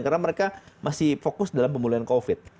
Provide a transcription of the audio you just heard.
karena mereka masih fokus dalam pemulihan covid